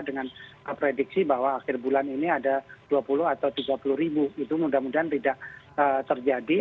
dengan prediksi bahwa akhir bulan ini ada dua puluh atau tiga puluh ribu itu mudah mudahan tidak terjadi